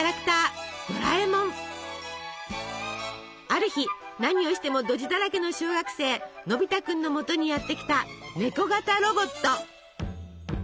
ある日何をしてもドジだらけの小学生のび太君のもとにやって来たネコ型ロボット。